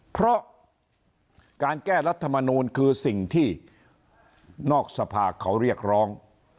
เพราะการแก้รัฐมนูลคือสิ่งที่นอกสภาเขาเรียกร้อง